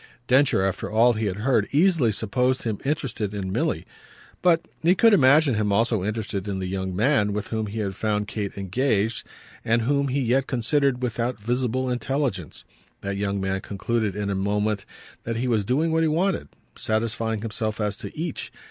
Densher, after all he had heard, easily supposed him interested in Milly; but he could imagine him also interested in the young man with whom he had found Kate engaged and whom he yet considered without visible intelligence. That young man concluded in a moment that he was doing what he wanted, satisfying himself as to each.